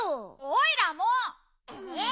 おいらも！え？